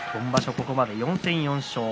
ここまで４戦４勝。